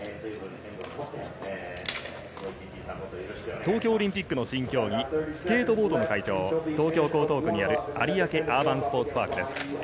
東京オリンピックの新競技、スケートボードの会場、東京・江東区にある、有明アーバンスポーツパークです。